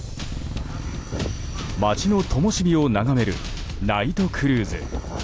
街のともしびを眺めるナイトクルーズ。